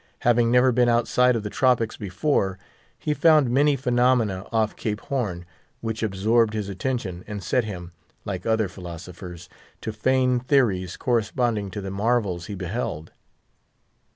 Having never been outside of the tropics before, he found many phenomena off Cape Horn, which absorbed his attention, and set him, like other philosophers, to feign theories corresponding to the marvels he beheld.